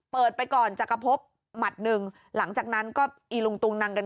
ไปก่อนจักรพบหมัดหนึ่งหลังจากนั้นก็อีลุงตุงนังกัน